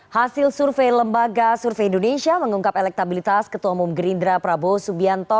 hasil survei lembaga survei indonesia mengungkap elektabilitas ketua umum gerindra prabowo subianto